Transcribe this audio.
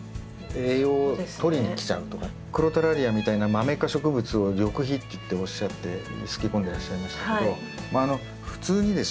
クロタラリアみたいなマメ科植物を緑肥っていっておっしゃってすき込んでらっしゃいましたけどまあ普通にですね